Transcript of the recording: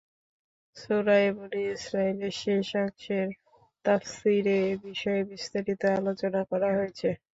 সূরায়ে বনী ইসরাঈলের শেষাংশের তাফসীরে এ বিষয়ে বিস্তারিত আলোচনা করা হয়েছে।